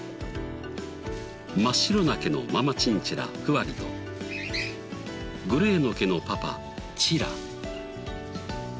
真っ白な毛のママチンチラふわりとグレーの毛のパパチラ。